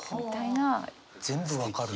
全部分かる。